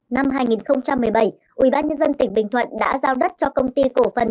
năm hai nghìn một mươi bảy ubnd tỉnh bình thuận đã giao đất cho công ty cổ phần